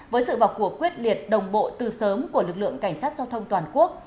với sự vọc của quyết liệt đồng bộ từ sớm của lực lượng cảnh sát giao thông toàn quốc